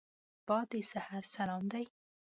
باد د سحر سلام دی